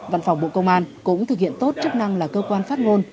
văn phòng bộ công an cũng thực hiện tốt chức năng là cơ quan phát ngôn